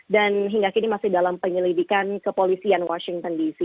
dan hingga kini masih dalam penyelidikan kepolisian washington dc